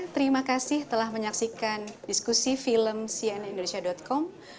terima kasih telah menyaksikan diskusi film cnindonesia com